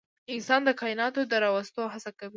انسان د کایناتو د راوستو هڅه کوي.